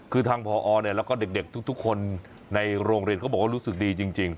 คือทางพอแล้วก็เด็กทุกคนในโรงเรียนเขาบอกว่ารู้สึกดีจริง